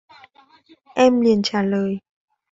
Em liền trả lời